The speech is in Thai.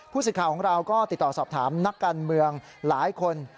สิทธิ์ข่าวของเราก็ติดต่อสอบถามนักการเมืองหลายคน